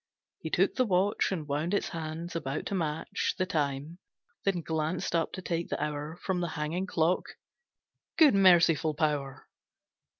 He took the watch And wound its hands about to match The time, then glanced up to take the hour From the hanging clock. Good, Merciful Power!